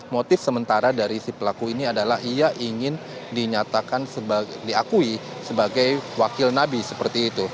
motif sementara dari si pelaku ini adalah ia ingin diakui sebagai wakil nabi seperti itu